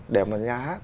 để mà nhà hát